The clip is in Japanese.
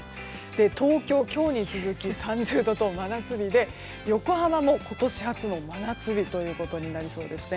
東京、今日に続き３０度と真夏日で横浜も今年初の真夏日となりそうですね。